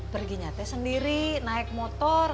perginya teh sendiri naik motor